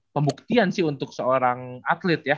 pembuktian sih untuk seorang atlet ya